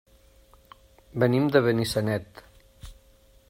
Venim de Benissanet.